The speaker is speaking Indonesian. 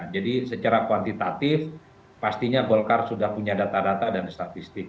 jadi secara kuantitatif pastinya golkar sudah punya data data dan statistik